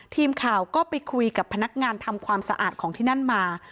ทีมข่าวก็ไปคุยกับพนักงานทำความสะอาดของที่นั่นมา